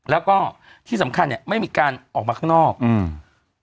แล้วก็ที่สำคัญเนี้ยไม่มีการออกมาข้างนอกอืม